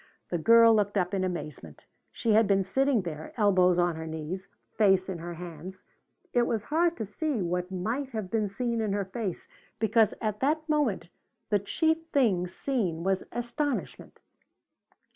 The girl looked up in amazement. She had been sitting there, elbows on her knees, face in her hands. It was hard to see what might have been seen in her face because at that moment the chief thing seen was astonishment.